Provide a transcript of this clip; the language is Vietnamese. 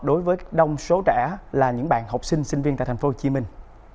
đối với đông số trẻ là những bạn học sinh sinh viên tại thành phố hồ chí minh